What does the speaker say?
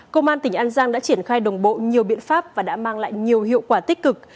công an tỉnh an giang đã triển khai đồng bộ nhiều biện pháp và đã mang lại nhiều hiệu quả tích cực